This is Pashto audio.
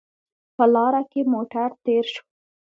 په لاره کې موټر تېر شو